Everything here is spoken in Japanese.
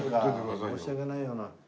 申し訳ないよな。